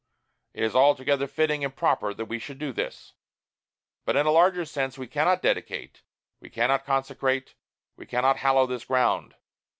It is altogether fitting and proper that we should do this. But in a larger sense, we cannot dedicate, we cannot consecrate, we cannot hallow this ground.